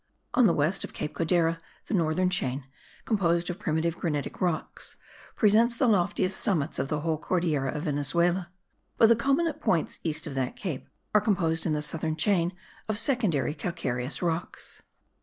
On the west of Cape Codera the northern chain, composed of primitive granitic rocks, presents the loftiest summits of the whole Cordillera of Venezuela; but the culminant points east of that cape are composed in the southern chain of secondary calcareous rocks.